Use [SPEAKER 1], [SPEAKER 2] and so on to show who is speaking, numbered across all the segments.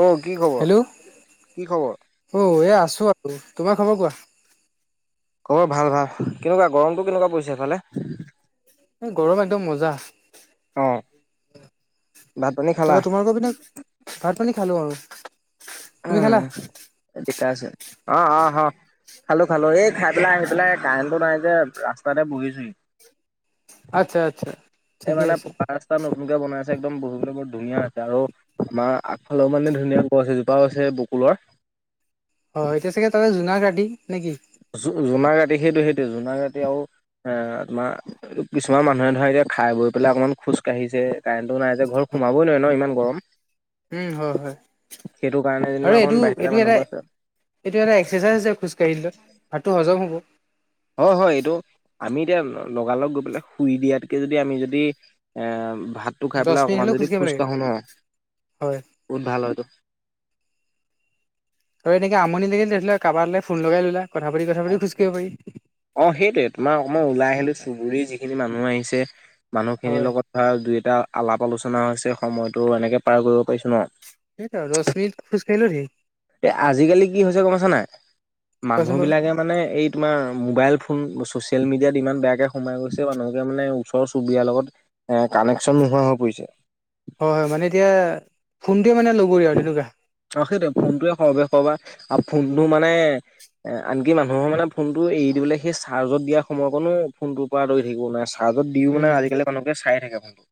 [SPEAKER 1] অ কি খবৰ
[SPEAKER 2] হেল্ল'
[SPEAKER 1] কি খবৰ?
[SPEAKER 2] অ এয়া আছো আৰু, তোমাৰ খবৰ কোৱা?
[SPEAKER 1] খবৰ ভাল ভাল কেনেকুৱা গৰমটো কেনেকুৱা পৰিছে এফালে।
[SPEAKER 2] এই গৰম একদম মজ্জা।
[SPEAKER 1] অ ভাত পানী খালা?
[SPEAKER 2] তাৰপৰা তোমালোকৰ পিনে ভাত পানী খালো আৰু। তুমি খালা
[SPEAKER 1] উম [inaudible] আছে অ অ হ। খালোঁ খালোঁ এই খাই পেলাই আহি পেলাই কাৰেণ্টটো নাই যে ৰাস্তাতে বহিছোহি।
[SPEAKER 2] আচ্ছা আচ্ছা
[SPEAKER 1] এই
[SPEAKER 2] ঠিকে
[SPEAKER 1] মানে
[SPEAKER 2] আছে
[SPEAKER 1] পকা ৰাস্তা [inaudible] ৰাস্তা নতুনকে বনাইছে একদম বহিবলৈ বৰ ধুনীয়া আছে আৰু আমাৰ আগফালেও মানে ধুনীয়া গছ এজোপা আছে। হৈছে বকুলৰ।
[SPEAKER 2] হয় এতিয়া চাগে তাতে জোনাক ৰাতি নেকি?
[SPEAKER 1] জোনাক জোনাক ৰাতি সেইটোৱেই সেইটোৱেই জোনাক ৰাতি আৰু এ তোমাৰ কিছুমান মানুহে ধৰা এতিয়া খাই বৈ পেলাই অকনমান খোজ কাঢ়িছে। কাৰেণ্টটো নাই যে ঘৰ সোমাবই নোৱাৰি ন ইমান গৰম।
[SPEAKER 2] উম হয় হয়
[SPEAKER 1] সেইটো কাৰণে যেনিবা অকমান বাহিৰতে মানুহবোৰ আছে আৰু।
[SPEAKER 2] এইটোৱেই এটা এক্সাৰচাইজ হয় খোজ কাঢ়িলে ভাতটো হজম হ'ব।
[SPEAKER 1] হয় হয় এইটো আমি এতিয়া লগালগ গৈ পেলাই শুই দিয়াতকে যদি আমি যদি। এ ভাতটো খাই
[SPEAKER 2] দহ
[SPEAKER 1] পেলাই
[SPEAKER 2] মিনিট
[SPEAKER 1] অকমান
[SPEAKER 2] হলেও
[SPEAKER 1] যদি
[SPEAKER 2] খোজকাঢ়িব
[SPEAKER 1] খোজ
[SPEAKER 2] লাগে
[SPEAKER 1] কাঢ়ো নহয়
[SPEAKER 2] হয়
[SPEAKER 1] বহুত ভাল হয়তটো।
[SPEAKER 2] আৰু এনেকে আমনি লাগিলে কাৰোবালৈ ফোন লগাই ললা কথা পাতি কথা পাতি খোজকাঢ়িব পাৰি।
[SPEAKER 1] অ সেইটোৱে তোমাৰ‌ অকনমান ওলাই আহিলো চুবুৰীৰ যিখিনি মানুহ আহিছে মানুহখিনিৰ
[SPEAKER 2] হয়
[SPEAKER 1] লগত ধৰা দুই এটা আলাপ আলোচনা হৈছে সময়তো এনেকে পাৰ কৰিব পাৰিছো ন।
[SPEAKER 2] সেইটোৱেই আৰু দছ মিনিটত খোজ কাঢ়িলেও ধেৰ।
[SPEAKER 1] এ আজিকালি কি হৈছে গম পাইছা নাই মানুহ
[SPEAKER 2] কোৱাচোন বাৰু
[SPEAKER 1] বিলাকে মানে এই তোমাৰ মোবাইল ফোন ছ'চিয়েল মিডিয়াত ইমান বেয়াকে সোমাই গৈছে মানুহ বিলাকে মানে ওচৰ চুবুৰীয়াৰ লগত কানেকশ্যন নোহোৱা হৈ পৰিছে।
[SPEAKER 2] হয় হয় মানে এতিয়া ফোনটোৱে মানে লগৰীয়া আৰু তেনেকুৱা।
[SPEAKER 1] অ সেইটোয়ে ফোনটয়ে সৰবে সবা আৰু ফোনটো মানে- এ আনকি মানুহৰ মানে ফোনটো এৰি দিবলৈ সেই চাৰ্জত দিয়া সময়কণো ফোনটোৰ পৰা আতৰি থাকিব নোৱাৰে। চাৰ্জত দিও মানে
[SPEAKER 2] উম
[SPEAKER 1] আজিকালি মানুহবোৰ চাই থাকে ফোনটো।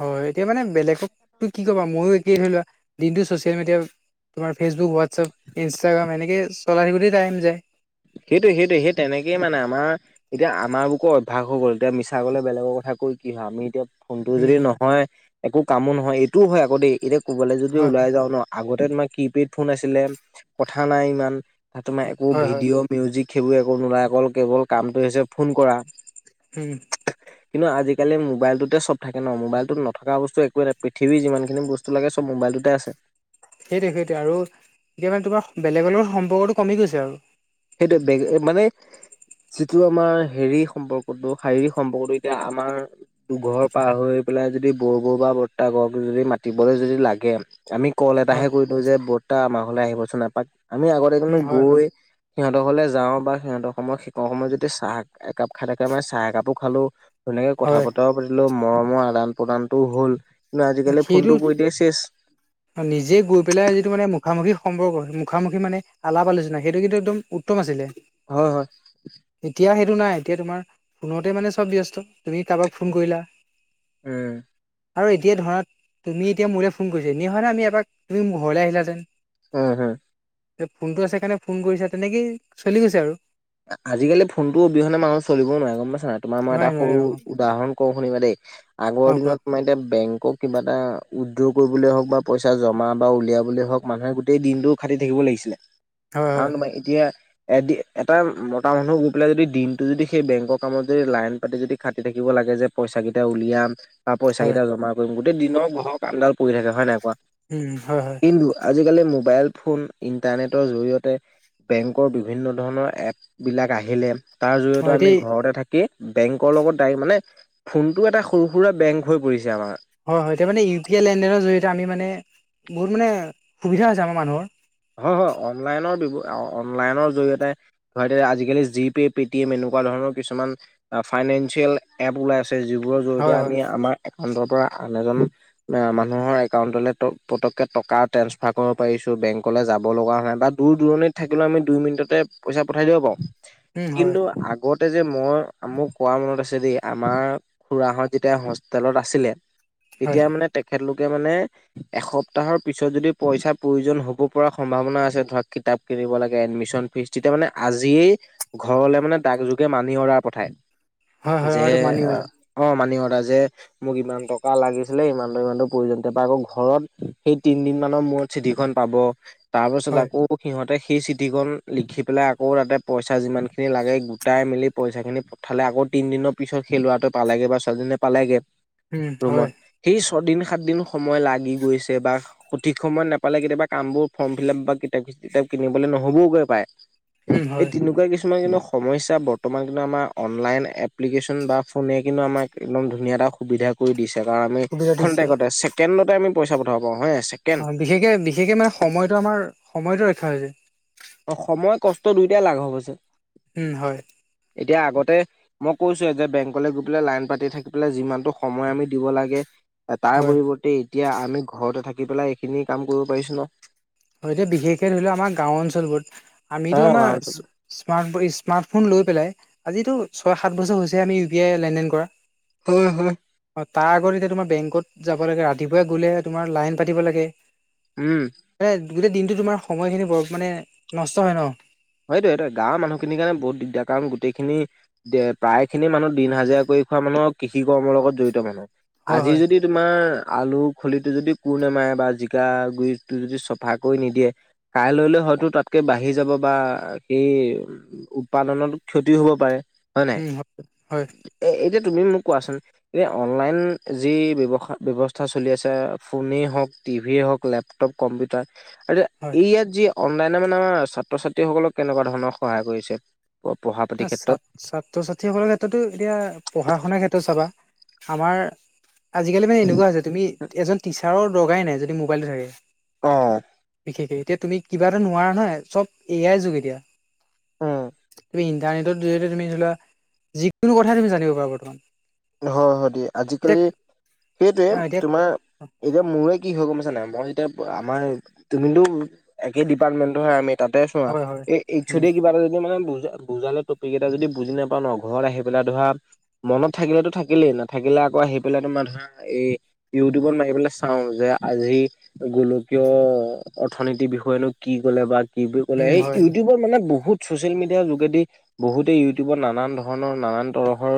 [SPEAKER 2] হয় এতিয়া মানে বেলেগকো কি কবা ময়ো একেই ধৰি লোৱা দিনটো চচিয়েল মিডিয়াত- তোমাৰ ফেচবুক হোৱাটছআপ ইনষ্টাগ্ৰাম এনেকে চলাই থাকোঁতে টাইম যায়।
[SPEAKER 1] সেইটো সেইটো সেই তেনেকেই মানে আমাৰ- এতিয়া আমাৰ বোৰক অভ্যাস হৈ গ'ল এতিয়া মিছা গলে বেলেগৰ কথা কৈ কি হয় আমি এতিয়া- ফোনটো যদি
[SPEAKER 2] উম
[SPEAKER 1] নহয় একো কামো নহয় এইটোও হয় আকৌ দেই এতিয়া কোবালৈ যদিও
[SPEAKER 2] হয়
[SPEAKER 1] ওলাই যাওঁ ন- আগতে তোমাৰ কিপেড ফোন আছিলে কথা নাই ইমান তাত তোমাৰ একো-
[SPEAKER 2] হয় হয় হয়
[SPEAKER 1] ভিডিঅ' মিউজিক সেইবোৰ একো নোলাই অকল কেৱল কামটো হৈছে ফোন কৰা।
[SPEAKER 2] হম।
[SPEAKER 1] কিন্তু আজিকালি মোবাইলটোতে চব থাকে ন মোবাইলটোত নথকা বস্তু একোৱ নাই পৃথিৱীৰ যিমানখিনি বস্তু- তটো লাগে চব মবাইলটোতে আছে।
[SPEAKER 2] সেইটোৱ সেইটোৱ আৰু এতিয়া মানে তোমাৰ বেলেগৰ লগত সম্পৰ্কতটো কমি গৈছে আৰু-
[SPEAKER 1] সেইটো বেগ মানে- যিটো আমাৰ হেৰি সম্পৰ্কটো শাৰীৰিক সম্পৰ্কটো এতিয়া আমাৰ- দুঘৰ পাৰ হৈ পেলাই যদি বৰ বৌ বা বৰদেউতা যদি মাতিবলৈ যদি লাগে। আমি কল
[SPEAKER 2] হয়
[SPEAKER 1] এটাহে কৰি দিওঁ যে বৰদেউতা আমাৰ ঘৰলে আহিবচোন এপাক আমি আগতে
[SPEAKER 2] উম
[SPEAKER 1] কিনো
[SPEAKER 2] হয় হয়
[SPEAKER 1] গৈ- সিহঁতৰ ঘৰলে যাওঁ বা সিহঁতৰ সময়ত শিষ সময়ত যদি চাহ একাপ খাই থাকে মানে চাহ একাপো খালো। ধুনীয়াকে কথা
[SPEAKER 2] হয়
[SPEAKER 1] বতৰাও পাতিলো মৰমৰ আদান প্ৰদানটো হ'ল কিন্তু আজিকালি
[SPEAKER 2] সেইটো
[SPEAKER 1] ফোনটো কৰি দিয়ে চেচ।
[SPEAKER 2] [inaudible] নিজে গৈ পেলাই যিটো মানে মুখামুখি সম্পৰ্ক মুখামুখি মানে আলাপ আলোচনা সেইটো কিন্তু একদম উত্তম আছিলে।
[SPEAKER 1] হয় হয়।
[SPEAKER 2] এতিয়া সেইটো নাই এতিয়া তোমাৰ- ফোনতে মানে চব ব্যস্ত তুমি কাৰোবাক ফোন কৰিলা।
[SPEAKER 1] উম।
[SPEAKER 2] আৰু এতিয়া ধৰা তুমি এতিয়া মোলে ফোন কৰিছা এনে ধৰা আমি এপাক তুমি মোৰ ঘৰলে আহিলা হেতেন।
[SPEAKER 1] অঁ'হয়।
[SPEAKER 2] যে ফোনটো আছে কাৰণে ফোন কৰিছা তেনেকেই চলি গৈছে আৰু।
[SPEAKER 1] আজিকালি ফোনতো অবিহনে মানুহ চলিব নোৱাৰে গম পাইছ নাই তোমাৰ মই এটা
[SPEAKER 2] নোৱাৰে নোৱাৰে
[SPEAKER 1] সৰু
[SPEAKER 2] অ
[SPEAKER 1] উদাহৰণ- কওঁ শুনিবা দেই আগৰ
[SPEAKER 2] অ কোৱা
[SPEAKER 1] দিনত তোমাৰ এতিয়া বেংকক- কিবা এটা উইড্ৰ কৰিবলে হওক বা পইচা জমা বা উলিয়াবলে হওক মানুহে গোটেই দিনটো- খাটি থাকিব লাগিছিলে
[SPEAKER 2] হয়
[SPEAKER 1] কাৰণ
[SPEAKER 2] হয়
[SPEAKER 1] তোমাৰ এতিয়া এ- মাতাই মতা মানুহ গৈ পেলাই যদি দিনটো যদি সেই বেংকৰ কামত যদি লাইন পাতি যদি খাটি থাকিব লাগে যে। পইচা কেইটা উলিয়াম বা পইচা
[SPEAKER 2] হয়
[SPEAKER 1] কেইটা জমা কৰিম গোটেই দিনৰ ঘৰৰ কামডাল পৰি থাকে হয় নাই কোৱা।
[SPEAKER 2] উম হয় হয়।
[SPEAKER 1] কিন্তু আজিকালি মোবাইল ফোন ইণ্টাৰনেটৰ জৰিয়তে বেংকৰ বিভিন্ন ধৰণৰ- এপবিলাক আহিলে তাৰ জৰিয়তে
[SPEAKER 2] হয়
[SPEAKER 1] আমি
[SPEAKER 2] দেই
[SPEAKER 1] ঘৰতে থাকি- কি বেংকৰ লগত ডাইৰেক্ট মানে ফোনটো এটা সৰু সুৰা বেংক হৈ পৰিছে আমাৰ।
[SPEAKER 2] হয় হয় তেতিয়া মানে ইউ পি আই লেনদেনৰ জৰিয়তে আমি মানে বহুত মানে সুবিধা আছে আমাৰ মানুহৰ।
[SPEAKER 1] হয় হয় অনলাইনৰ বিব অনলাইনৰ জৰিয়তে- আজিকালি জি পে পেটিএম এনেকুৱা ধৰণৰ কিছুমান ফাইনেসিয়েল এপ ওলাই আছে। যিবোৰৰ জৰিয়তে
[SPEAKER 2] হয় হয়
[SPEAKER 1] আমি আমাৰ একাউন্টৰ পৰা আন এজন- মানুহৰ একাউণ্টলে ত পতকে টকা ট্ৰান্সফাৰ কৰিব পাৰিছোঁ বেংক- কলে যাব লগা নাই বা দূৰ দূৰণিত থাকিলে আমি দুই মিনিটতে পইচা পঠাই দিব পাও
[SPEAKER 2] উম হয়
[SPEAKER 1] কিন্তু আগত তে যে মই মোক কোৱা মনত আছে দেই আমাৰ খুৰা হত যেতিয়া হোষ্টেলত আছিলে
[SPEAKER 2] হয়
[SPEAKER 1] তেতিয়া মানে তেখেতলোকে মানে এসপ্তাহৰ পিছত যদি পইচাৰ প্ৰয়োজন হ'ব পৰা সম্ভাৱনা আছে ধৰা কিতাপ কিনিব লাগে এডমিশন ফিজ তেতিয়া মানে আজিয়েই ঘৰলে মানে দাক যোগে মানি অৰ্ডাৰ পঠাই
[SPEAKER 2] হয় হয়
[SPEAKER 1] যে
[SPEAKER 2] আৰু মানি আৰু
[SPEAKER 1] আহ অ মানি অৰ্ডাৰ যে মোক ইমান টকা লাগিছিলে ইমানটো ইমানটো প্ৰয়োজন তাপা আকৌ ঘৰত সেই তিন দিন মানৰ মূৰত চিঠিখন পাব তাৰ পাছত
[SPEAKER 2] হয়
[SPEAKER 1] আকৌ সিহঁতে সেই চিঠি চিঠিখন লিখি পেলাই আকৌ তাতে পইচা যিমানখিনি লাগে গোটাই মেলি পইচাখিনি থালে আকৌ তিনদিনৰ পিছত সেই লৱাটো পালেগে বা ছোৱালীজনীয়ে পালেগে
[SPEAKER 2] উম হয়
[SPEAKER 1] ৰুমত সেই ছয়দিন সাতদিন সময় লাগি গৈছে বা সঠিক সময় নাপালে কেতিয়াবা কামবোৰ ফৰ্ম ফিল আপ বা কিতাপ কিতাপ কিনিবলে নহ'বওগৈ পাৰে
[SPEAKER 2] উম
[SPEAKER 1] এই
[SPEAKER 2] হয়
[SPEAKER 1] তেনেকুৱা কিছুমান কিন্তু স সমস্যা বৰ্তমান কিন্তু আমাৰ অনলাইন এপ্লিকেশ্যন বা ফোনে কিন্তু আমাক একদম ধুনীয়া এটা সুবিধা কৰি দিছে কাৰণ আমি
[SPEAKER 2] সুবিধা দিছে
[SPEAKER 1] ক্ষণতেকতে ছেকেণ্ডতে আমি পইচা পঠাব পাৰো হয় নাই ছে
[SPEAKER 2] হয় বিশেষকে বিশেষকে মানে সময়টো আমাৰ সময়টো ৰক্ষা হৈ যায়
[SPEAKER 1] অ সময় কষ্ট দুইটাই লাঘৱ হৈছে
[SPEAKER 2] উম হয়
[SPEAKER 1] এতিয়া আগতে মই কৈছোৱেই যে বেংকলৈ গৈ পেলে লাইন পাতি থাকি পেলাই যিমানটো সময় আমি দিব লাগে এ তাৰ
[SPEAKER 2] হয়
[SPEAKER 1] পৰিৱৰ্তে এতিয়া আমি ঘৰতে থাকি পেলাই এইখিনি কাম কৰিব পাৰিছো ন
[SPEAKER 2] হয় এতিয়া বিশেষকে ধৰি লোৱা আমাৰ গাঁও অঞ্চলবোৰত
[SPEAKER 1] অ
[SPEAKER 2] আমিতো
[SPEAKER 1] গাঁৱত
[SPEAKER 2] আমাৰ স্মাৰ্ট স্মাৰ্টফোন লৈ পেলাই আজিতো ছয় সাত বছৰ হৈছে আমি ইউ পি আই লেনদেন কৰা
[SPEAKER 1] হয় হয়
[SPEAKER 2] অ তাৰ আগত এতিয়া তোমাৰ বেংকত যাব লাগে ৰাতিপুৱাই গ'লে তোমাৰ লাইন পাতিব লাগে
[SPEAKER 1] উম
[SPEAKER 2] মানে গোটেই দিনটো তোমাৰ সময়খিনি বৰ মানে নষ্ট হয় ন
[SPEAKER 1] সেইটোৱে সেইটোৱে গাঁৱৰ মানুহখিনিৰ কাৰণ বহুত দিগদাৰ কাৰণ গোটেইখিনি দে প্ৰায় খিনি মানুহ দিন হাজিৰা কৰি খোৱা মানুহৰ কৃষি কৰ্মৰ লগত জড়িত মানুহ
[SPEAKER 2] হয়
[SPEAKER 1] আজি
[SPEAKER 2] হয়
[SPEAKER 1] যদি তোমাৰ আলু খলিটো যদি কোৰ নেমাৰে বা জিকা গুৰিটো যদি চফা কৰি নিদিয়ে কাইলৈল হয়তো তাতকে বাঢ়ি যাব বা সেই উৎপাদনত ক্ষতিও হ'ব পাৰে হয় নাই?
[SPEAKER 2] উম হয় হয়
[SPEAKER 1] এ এতিয়া তুমি মোক কোৱাচোন এ অনলাইন যি ব্যৱসা ব্যৱস্থা চলি আছে ফোনেই হওক টিভিয়ে হওক লেপ টপ কম্পিটাৰ আচ্ছা
[SPEAKER 2] হয়
[SPEAKER 1] এই ইয়াত যি অনলাইনে মানে আমাৰ ছাত্ৰ ছাত্ৰীসকলক কেনেকুৱা ধৰণৰ সহায় কৰিছে প পঢ়াত
[SPEAKER 2] ছাত ছাত্ৰ ছাত্ৰীসকলৰ ক্ষেত্ৰতো এতিয়া পঢ়া শুনাৰ ক্ষেত্ৰত চাবা আমাৰ আজিকালি মানে এনেকুৱা হৈছে তুমি এজন টিচাৰৰ দৰকাৰেই নাই যদি মোবাইলটো থাকে
[SPEAKER 1] অঁ
[SPEAKER 2] বিশেষে এতিয়া তুমি কিবা এটা নোৱাৰা নহয় চব এ আই যুগ এতিয়া
[SPEAKER 1] উম
[SPEAKER 2] তুমি ইণ্টাৰনেটৰ জৰিয়তে তুমি ধৰি লোৱা যিকোনো কথাই তুমি জানিব পাৰা বৰ্তমান
[SPEAKER 1] হয় হয় দিয়া
[SPEAKER 2] এতিয়া
[SPEAKER 1] আজিকালি সেইটোৱে
[SPEAKER 2] আহ এতিয়া
[SPEAKER 1] তোমাৰ এতিয়া মোৰে কি হয় গম পাইছা নাই মই এতিয়া আমাৰ তুমিতো একে ডিপাৰ্টমেন্টৰ হয় আমি তাতে চোৱা
[SPEAKER 2] হয় হয়
[SPEAKER 1] এই
[SPEAKER 2] উম
[SPEAKER 1] একচুৱেলি কিবা এটা যদি মানে বুজা বুজালে টপিক এটা যদি বুজি নাপাওঁ ন ঘৰত আহি পেলাই ধৰা মনত থাকিলেতো থাকিলেই নাথাকিলে আকৌ আহি পেলাই তোমাৰ ধৰা এই ইউটিউবত মাৰি পেলাই চাওঁ যে আজি গোলকীয় অৰ্থনীতিৰ বিষয়েনো কি ক'লে বা কি বুলি ক'লে
[SPEAKER 2] উম
[SPEAKER 1] এই
[SPEAKER 2] হয়
[SPEAKER 1] ইউটিউবৰ মানে বহুত ছচিয়েল মিডিয়াৰ যোগেদি বহুতে ইউটিউবৰ নানান ধৰণৰ নানান তৰহৰ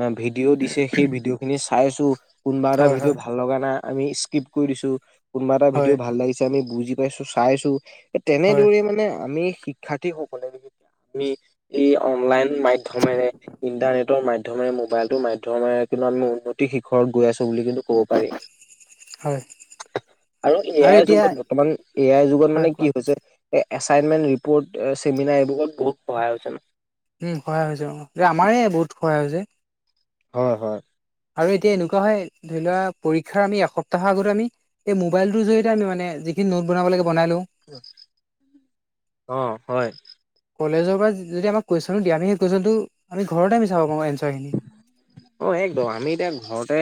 [SPEAKER 1] অ ভিডিঅ' দিছে সেই ভিডিঅ' খিনি চাইছো কোনোবা এটা
[SPEAKER 2] হয় হয়
[SPEAKER 1] ভিডিঅ' ভাল ভাল লগা নাই আমি স্কিপ কৰি দিছো কোনোবা এটা
[SPEAKER 2] হয়
[SPEAKER 1] ভিডিঅ' ভাল লাগিছে আমি বুজি পাইছো চাইছো
[SPEAKER 2] হয়
[SPEAKER 1] তেনেদৰেই মানে আমি শিক্ষাৰ্থীসকলে আমি এই অনলাইন মাধ্যমেৰে ইন্টাৰনেটৰ মাধ্যমেৰে ম'বাইলটোৰ মাধ্যমেৰে কিন্তু আমি উন্নতি শিখৰত গৈ আছো বুলি কিন্তু ক'ব পাৰি
[SPEAKER 2] হয়
[SPEAKER 1] আৰু এ আই যুগত বৰ্তমান এ আই যুগত
[SPEAKER 2] হয়
[SPEAKER 1] মানে
[SPEAKER 2] কোৱা
[SPEAKER 1] কি হৈছে এ এচাইনমেন্ট ৰিপৰ্ট চেমিনাৰ এইবোৰত বহুত সহায় হৈছে ন
[SPEAKER 2] উম সহায় হৈছে অ আমাৰে বহুত সহায় হৈছে
[SPEAKER 1] হয় হয়
[SPEAKER 2] আৰু এতিয়া এনেকুৱা হয় ধৰি লোৱা পৰীক্ষাৰ আমি এসপ্তাহৰ আগত আমি এই মোবাইলটোৰ জৰিয়তে আমি মানে যিখিনি নোট বনাব লাগে বনাই লও
[SPEAKER 1] অ হয়
[SPEAKER 2] কলেজৰ পৰা যদি আমাক কুৱেচন দিয়ে আমি সেই কুৱেচনটো আমি ঘৰতে আমি চাব পাৰো এনচাৰখিনি
[SPEAKER 1] অ একদম আমি এতিয়া ঘৰতে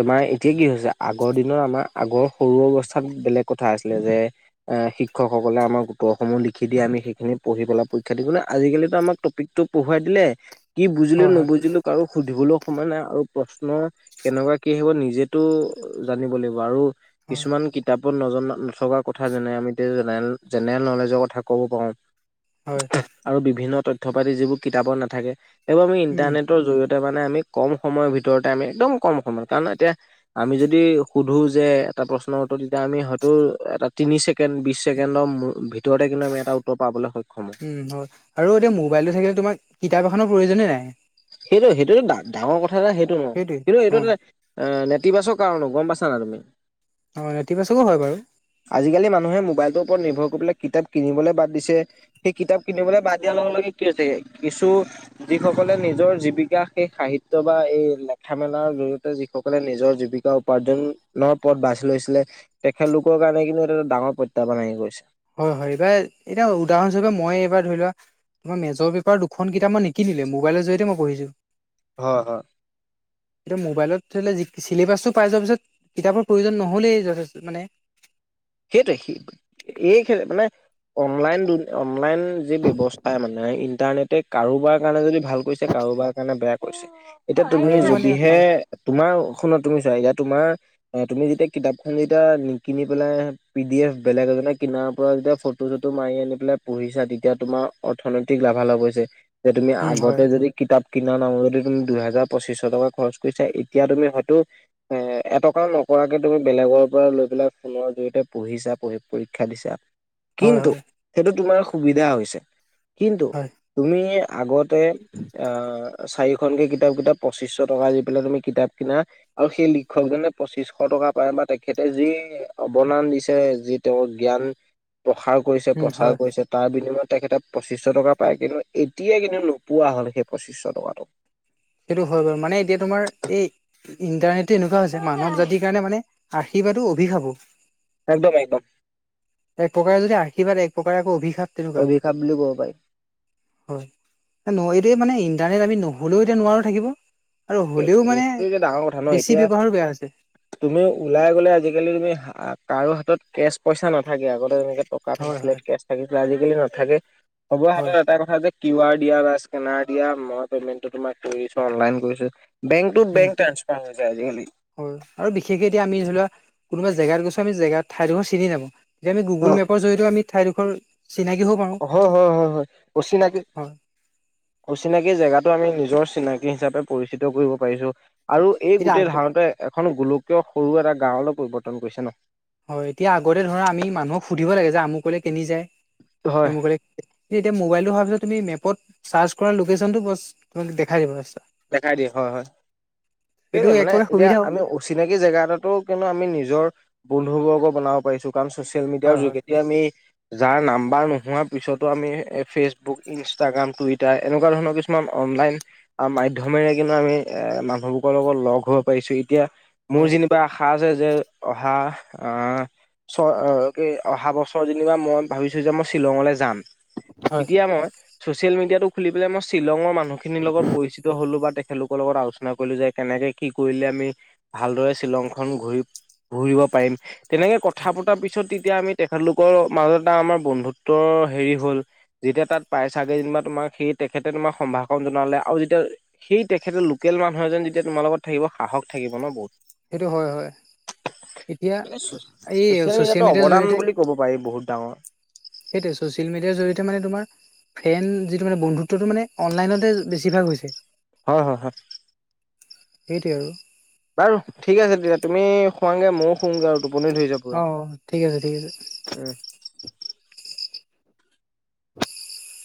[SPEAKER 1] তোমাৰ এতিয়া কি হৈছে আগৰ দিনৰ আমাৰ আগৰ সৰু অৱস্থাত বেলেগ কথা আছিলে যে এ শিক্ষকসকলে আমাৰ উত্তৰ সমূহ লিখি দিয়ে আমি সেইখিনি পঢ়ি পেলাই পৰীক্ষা দিবলে আজিকালিতো আমাক টপিকটো পঢ়োৱাই দিলে কি বুজিলো
[SPEAKER 2] হয় হয়
[SPEAKER 1] নুবুজিলো কাৰো সুধিবলৈও সময় নাই আৰু প্ৰশ্ন কেনেকুৱা কি হব নিজেতো জানিব লাগিব আৰু
[SPEAKER 2] হয়
[SPEAKER 1] কিছুমান কিতাপত নজনা নথকা কথা যেনে আমি জেনে জেনেৰেল নলেজৰ কথা ক'ব পাৰোঁ
[SPEAKER 2] হয়
[SPEAKER 1] আৰু বিভিন্ন তথ্য পাতি যিবোৰ কিতাপৰ নাথাকে এইবোৰ আমি
[SPEAKER 2] উম
[SPEAKER 1] ইণ্টাৰনেট টৰ জৰিয়তে মানে আমি কম সময়ৰ ভিতৰতে আমি একদম কম সময়ত কাৰণ এতিয়া আমি যদি সুধো যে এটা প্ৰশ্নৰ উত্তৰ তেতিয়া আমি হয়তো এটা তিনি চেক ছেকেণ্ড বিশ ছেকেণ্ডৰৰ ভিতৰতে কিন্তু আমি এটা উত্তৰ পাবলৈ সক্ষম
[SPEAKER 2] উম হয় আৰু এতিয়া মোবাইলটো থাকিলে তোমাক কিতাপ এখন প্ৰয়োজনে নাই
[SPEAKER 1] সেইটো সেইটোটো ডা ডাঙৰ কথা এটা সেইটো নহয়
[SPEAKER 2] সেইটোৱে
[SPEAKER 1] কিন্তু সেইটো
[SPEAKER 2] অ
[SPEAKER 1] এটা এ নেতিবাচক কাৰণ গম পাইছা নাই তুমি
[SPEAKER 2] অ নেতিবাচকো হয় বাৰু
[SPEAKER 1] আজিকালি মানুহে মোবাইলটোৰ ওপৰত নিৰ্ভৰ কৰি পেলাই কিতাপ কিনিবলে বাদ দিছে সেই কিতাপ কিনিবলে বাদ দিয়া লগে লগে কি হৈছে কিছু যিসকলে নিজ নিজৰ জীৱিকা সেই সাহিত্য বা এই লেখা মেলাৰ জৰিয়তে যিসকলে নিজৰ জীৱিকা উপাৰ্জন ন পথ বাছি লৈছিলে তেখেতলোকৰ কাৰণে কিন্তু এইটো ডাঙৰ প্ৰত্যাহ্বান আহি গৈছে
[SPEAKER 2] হয় হয় এইবাৰ এতিয়া উদাহৰণস্বৰূপে মই এইবাৰ ধৰি লোৱা তোমাৰ মেজৰ পেপাৰ দুখন কিতাপ মই নিকিনিলোৱে মোবাইলৰ জৰিয়তে মই পঢ়িছোঁ
[SPEAKER 1] হয় হয়
[SPEAKER 2] [unintelligible] এতিয়া মোবাইলত ধৰি লোৱা ছিলেভাছটো পাই যোৱাৰ পিছত কিতাপৰ প্ৰয়োজন নহ'লেই যথেষ্ট মানে
[SPEAKER 1] সেইটোৱে সে সেইকাৰণে মানে অনলাইন-অনলাইন যি ব্যৱস্থাই মানে, ইণ্টাৰনেটে কাৰোবাৰ কাৰণে যদি ভাল কৰিছে, কাৰোবাৰ কাৰণে বেয়া কৰিছে, এতিয়া
[SPEAKER 2] হয়
[SPEAKER 1] তুমি
[SPEAKER 2] এইটো মানে
[SPEAKER 1] যদিহে
[SPEAKER 2] হয়
[SPEAKER 1] তোমাৰ শুনা তুমি চোৱা এতিয়া, তোমাৰ তুমি যেতিয়া কিতাপ খন যেতিয়া নি কিনি পেলাই পি ডি এফ বেলেগ এজনে কিনাৰ পৰা যেতিয়া ফটো-চটো মাৰি আনি পেলাই পঢ়িছা, তেতিয়া তোমাৰ অৰ্থনৈতিক লাভালাভ হৈছে, যে তুমি
[SPEAKER 2] উম হয়
[SPEAKER 1] আগতে যদি কিতাপ কিনাৰ নাম যদি তুমি দুহেজাৰ পঁচিশ টকা খৰচ কৰিছা, এতিয়া তুমি হয়তো এ এটকা নকৰাকে তুমি বেলেগৰ পৰা লৈ পেলাই ফোনৰ জৰিয়তে পঢ়িছা পঢ়ি পৰীক্ষা দিছা,
[SPEAKER 2] হয়
[SPEAKER 1] কিন্তু
[SPEAKER 2] হয়
[SPEAKER 1] সেইটো তোমাৰ সুবিধা হৈছে। কিন্তু
[SPEAKER 2] হয়
[SPEAKER 1] তুমি আগতে অ', চাৰিখনকে কিতাপ কিতাপ পঁচিছশ টকা দি পেলাই তুমি কিতাপ কিনা। আৰু সেই লিখকজনে পঁচিশ টকা পায় বা তেখেতে যি অৱদান দিছে। যি তেওঁৰ জ্ঞান প্ৰসাৰ কৰিছে,
[SPEAKER 2] উম
[SPEAKER 1] প্ৰচাৰ
[SPEAKER 2] হয়
[SPEAKER 1] কৰিছে। তাৰ বিনিময়ত তেখেতে পঁচিছশ টকা পায়, কিন্তু এতিয়া কিন্তু নোপোৱা হ'ল সেই পঁচিছশ টকাটো।
[SPEAKER 2] সেইটো হয় বাৰু, মানে এতিয়া তোমাৰ এই ইণ্টাৰনেটটো এনেকুৱা হৈছে মানৱ জাতিৰ কাৰণে মানে আৰ্শীবাদো, অভিশাপো।
[SPEAKER 1] একদম, একদম।
[SPEAKER 2] এক প্ৰকাৰে যদি আশীৰ্বাদ, এক প্ৰকাৰে আকৌ অভিশাপ। তেনেকুৱা
[SPEAKER 1] অভিশাপ বুলি ক'ব পাৰি।
[SPEAKER 2] হয়, এতিয়া মানে ইণ্টাৰনেট আমি নহ'লেও এতিয়া নোৱাৰো থাকিব। আৰু
[SPEAKER 1] সেই
[SPEAKER 2] হ'লেও মানে
[SPEAKER 1] এইটো এটা ডাঙৰ কথা ন
[SPEAKER 2] বেছি
[SPEAKER 1] এতিয়া
[SPEAKER 2] ব্যৱহাৰো বেয়া হৈছে।
[SPEAKER 1] তুমি ওলাই গ'লে আজিকালি তুমি কাৰো হাতত কেচ পইচা নাথাকে। আগতে যেনেকে টকা
[SPEAKER 2] হয় হয়
[SPEAKER 1] থাকিছিলে, কেচ থাকিছিলে, আজিকালি নাথাকে। চবৰে হাতত
[SPEAKER 2] হয়
[SPEAKER 1] এটাই কথা যে কিউ আৰ দিয়া বা স্কেনাৰ দিয়া মই পেমেন্টটো তোমাক কৰি দিছোঁ, অনলাইন কৰিছোঁ।
[SPEAKER 2] উম
[SPEAKER 1] বেংকটো-বেংক ট্ৰান্সফাৰ হৈ যায় আজিকালি।
[SPEAKER 2] হয়, আৰু বিশেষকে এতিয়া আমি ধৰি লোৱা কোনোবা জেগাত গৈছো, আমি জেগাত ঠাইডোখৰ চিনি নাপাওঁ। এতিয়া আমি গুগল
[SPEAKER 1] হয়
[SPEAKER 2] মেপৰ জৰিয়তে আমি ঠাইডোখৰ চিনাকি হ'ব পাৰোঁ।
[SPEAKER 1] হয় হয় হয় হয়, অচিনাকি
[SPEAKER 2] হয়
[SPEAKER 1] অচিনাকি জেগাটো আমি নিজৰ চিনাকি হিচাপে পৰিচিত কৰিব পাৰিছোঁ। আৰু এই
[SPEAKER 2] এতিয়া
[SPEAKER 1] গোটেই
[SPEAKER 2] আগ
[SPEAKER 1] ধাৰণাতো এখন গোলকীয় সৰু এটা গাঁৱলৈ পৰিৱৰ্তন কৰিছে ন।
[SPEAKER 2] হয়, এতিয়া আগতে ধৰা আমি মানুহক সুধিব লাগে যে আমুকলৈ কেনি যায়?
[SPEAKER 1] হয়
[SPEAKER 2] আমুকলে এতিয়া, মোবাইলটো হোৱাৰ পিছত তুমি মেপত চাৰ্চ কৰা লোকেচনটো বছ দেখাই দিব।
[SPEAKER 1] দেখাই দিয়ে হয় হয়, সেই
[SPEAKER 2] সেইটো এক
[SPEAKER 1] মানে
[SPEAKER 2] প্ৰকাৰ
[SPEAKER 1] এতিয়া
[SPEAKER 2] সুবিধাও
[SPEAKER 1] আমি অচিনাকি জেগা এটাতো কিন্তু আমি নিজৰ বন্ধুবৰ্গ বনাব পাৰিছো। কাৰণ, চ'চিয়েল-মিডিয়াৰ
[SPEAKER 2] হয় হয়
[SPEAKER 1] যোগেদি আমি যাৰ নাম্বাৰ নোহোৱাৰ পিছতো আমি ফেচবুক, ইনষ্টাগ্ৰাম, টুইটাৰ, এনেকুৱা ধৰণৰ কিছুমান অনলাইন মাধ্যমেৰে কিন্তু আমি এ মানুহবোৰৰ লগত লগ হব পাৰিছোঁ। এতিয়া মোৰ
[SPEAKER 2] হয়
[SPEAKER 1] যে কিবা আশা আছে যে অহা আহ চ অহা বছৰ যেনিবা মই ভাবিছোঁ যে মই শ্বিলঙলে যাম।
[SPEAKER 2] হয়
[SPEAKER 1] তেতিয়া মই ছচিয়েল-মিডিয়াটো খুলি পেলাই, মই শ্বিলঙৰ মানুহখিনিৰ লগত পৰিচিত হ'লো বা তেখেতলোকৰ লগত আলোচনা কৰিলো যে কেনেকে কি কৰিলে আমি ভালদৰে শ্বিলংখন ঘূৰি-ঘুৰিব পাৰিম, তেনেকে কথা পতাৰ পিছত তেতিয়া আমি তেখেতলোকৰ মাজত এটা আমাৰ বন্ধুত্বৰ হেৰি হ'ল। যেতিয়া তাত পাইছাগে যেনিবা, তোমাক সেই তেখেতে তোমাক সম্ভাষণ জনালে। আৰু যেতিয়া সেই তেখেতে লোকেল মানুহ এজন যেতিয়া তোমাৰ লগত থাকিব, সাহস থাকিব ন, বহুত।
[SPEAKER 2] সেইটো হয় হয় এতিয়া এই
[SPEAKER 1] চচিয়েল-মিডিয়াটো
[SPEAKER 2] ছচিয়েল মিডিয়াৰ
[SPEAKER 1] অৱদান
[SPEAKER 2] জৰিয়তে
[SPEAKER 1] বুলি ক'ব পাৰি বহুত ডাঙৰ
[SPEAKER 2] সেইটোয়ে ছ'চিয়েল মিডিয়াৰ জৰিয়তে মানে তোমাৰ ফেন যিটো মানে বন্ধুত্বটো মানে অনলাইনতে বেছিভাগ হৈছে
[SPEAKER 1] হয় হয় হয়
[SPEAKER 2] সেইটোৱে আৰু
[SPEAKER 1] বাৰু ঠিক আছে দিয়া তুমি শুৱাগে ময়ো শুৱাগে আৰু টোপনি ধৰিছে
[SPEAKER 2] অ
[SPEAKER 1] পুৰা
[SPEAKER 2] ঠিক আছে ঠিক আছে
[SPEAKER 1] উম
[SPEAKER 2] [inaudible]